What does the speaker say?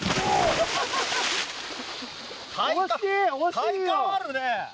体幹あるね。